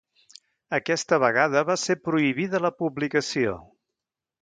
Aquesta vegada va ser prohibida la publicació.